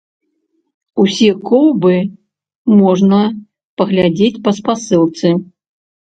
Усе коўбы можна паглядзець па спасылцы.